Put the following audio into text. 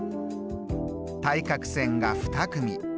対角線が２組。